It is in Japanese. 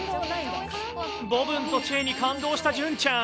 ボブンとチェーに感動した隼ちゃん。